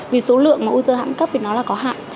vì số lượng user hãng cấp thì nó là có hạn